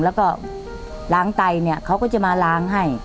แล้วก็ล้างไตเนี่ยเขาก็จะมาล้างให้